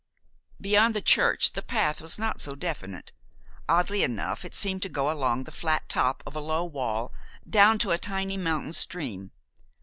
Beyond the church the path was not so definite. Oddly enough, it seemed to go along the flat top of a low wall down to a tiny mountain stream.